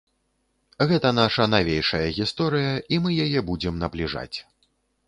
Гэта наша навейшая гісторыя, і мы яе будзем набліжаць.